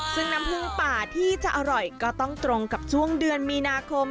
ซึ่งน้ำผึ้งป่าที่จะอร่อยก็ต้องตรงกับช่วงเดือนมีนาคม